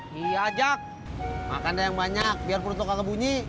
diajak makan yang banyak biar perut lo nggak kebunyi